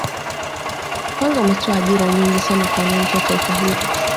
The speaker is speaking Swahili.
Kwanza umetoa ajira nyingi sana kwa wananchi wa taifa hilo